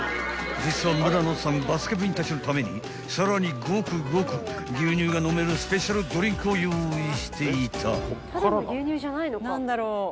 ［実は村野さんバスケ部員たちのためにさらにゴクゴク牛乳が飲めるスペシャルドリンクを用意していた］